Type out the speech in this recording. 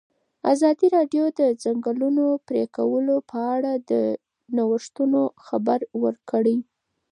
ازادي راډیو د د ځنګلونو پرېکول په اړه د نوښتونو خبر ورکړی.